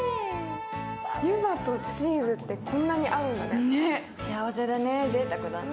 湯葉とチーズってこんなに合うんだね。